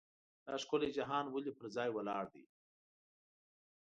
دا ښکلی جهان ولې پر ځای ولاړ دی.